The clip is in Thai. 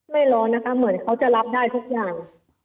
ร้อนนะคะเหมือนเขาจะรับได้ทุกอย่าง